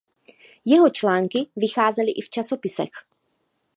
Jeho články vycházely i v časopisech.